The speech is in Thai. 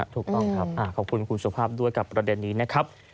ถูกต้องครับขอบคุณคุณสุภาพด้วยกับประเด็นนี้นะครับ